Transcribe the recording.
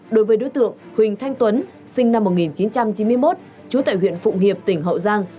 đối với đối tượng huỳnh thanh tuấn sinh năm một nghìn chín trăm chín mươi một trú tại huyện phụng hiệp tỉnh hậu giang